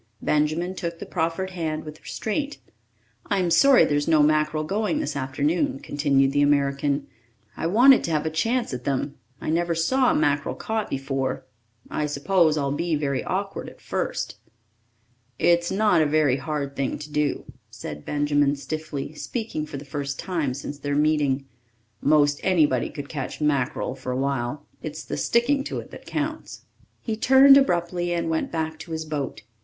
Benjamin took the proffered hand with restraint. "I'm sorry there's no mackerel going this afternoon," continued the American. "I wanted to have a chance at them. I never saw mackerel caught before. I suppose I'll be very awkward at first." "It's not a very hard thing to do," said Benjamin stiffly, speaking for the first time since their meeting. "Most anybody could catch mackerel for a while it's the sticking to it that counts." He turned abruptly and went back to his boat.